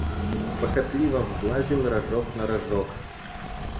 Похотливо взлазил рожок на рожок.